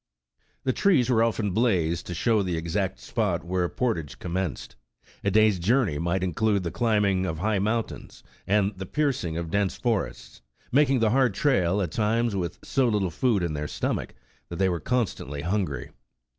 The trees were often blazed to show the exact spot where portage commenced. A day's journey might in clude the climbing of high mountains, and the piercing of dense forests, making the hard trail at times with so little food in their stomachs, that they were con stantly hungry.